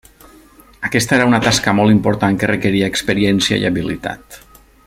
Aquesta era una tasca molt important que requeria experiència i habilitat.